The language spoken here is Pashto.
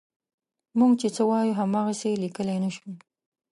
موږ چې څه وایو هماغسې یې لیکلی نه شو.